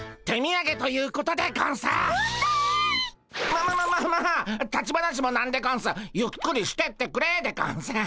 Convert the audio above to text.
ままままあまあ立ち話もなんでゴンスゆっくりしてってくれでゴンス。